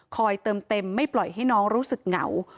เติมเต็มไม่ปล่อยให้น้องรู้สึกเหงา